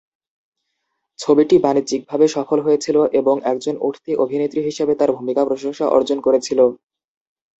ছবিটি বাণিজ্যিকভাবে সফল হয়েছিল এবং একজন উঠতি অভিনেত্রী হিসাবে তার ভূমিকা প্রশংসা অর্জন করেছিল।